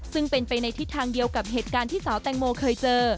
ซึ่งเป็นไปในทิศทางเดียวกับเหตุการณ์ที่สาวแตงโมเคยเจอ